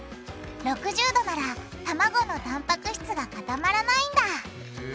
℃ならたまごのたんぱく質が固まらないんだへぇ。